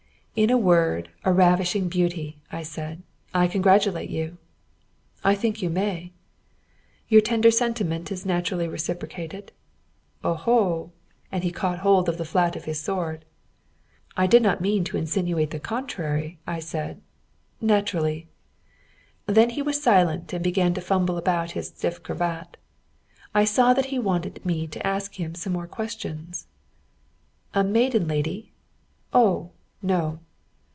"In a word, a ravishing beauty," said I. "I congratulate you!" "I think you may." "Your tender sentiment is naturally reciprocated?" "Oho!" and he caught hold of the flat of his sword. "I did not mean to insinuate the contrary," I said. "Naturally." Then he was silent, and began to fumble about his stiff cravat. I saw that he wanted me to ask him some more questions. "A maiden lady?" "Oh, no!"